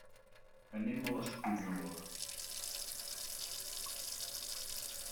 Anem a l'Espunyola.